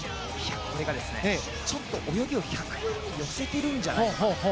これがちょっと泳ぎを１００に寄せているんじゃないかと。